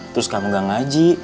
terus kamu gak ngaji